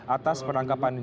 atas penangkapan jumiatin